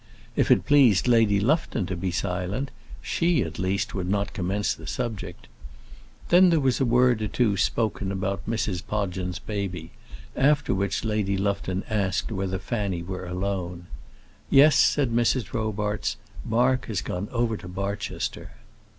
If it pleased Lady Lufton to be silent she, at least, would not commence the subject. Then there was a word or two spoken about Mrs. Podgens' baby, after which Lady Lufton asked whether Fanny were alone. "Yes," said Mrs. Robarts. "Mark has gone over to Barchester."